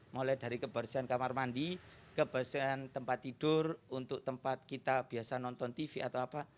mulai dari kebersihan kamar mandi kebersihan tempat tidur untuk tempat kita biasa nonton tv atau apa